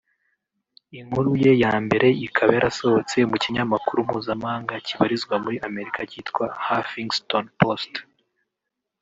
inkuru ye ya mbere ikaba yarasohotse mu kinyamakuru mpuzamahanga kibarizwa muri Amerika cyitwa Huffingstonpost